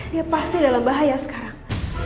dia pasti dalam bahaya sekarang